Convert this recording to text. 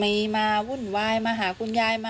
หาผมยายมานะ